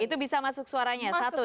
itu bisa masuk suaranya satu ya